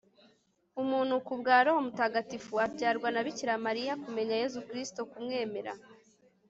umuntu ku bwa roho mutagatifu, abyarwa na bikira mariya.kumenya yezu kristu, kumwemera